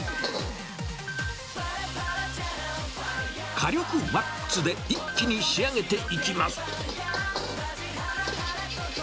火力マックスで一気に仕上げていきます。